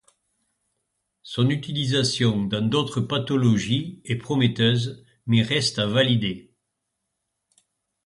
Son utilisation dans d'autres pathologies est prometteuse mais reste à valider.